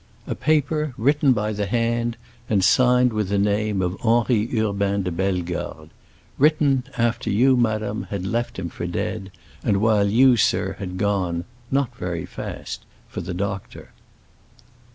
"A paper written by the hand, and signed with the name, of Henri Urbain de Bellegarde. Written after you, madam, had left him for dead, and while you, sir, had gone—not very fast—for the doctor."